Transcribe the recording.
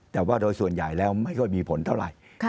แต่ว่าโดยส่วนใหญ่แล้วไม่ค่อยมีผลเท่าไหร่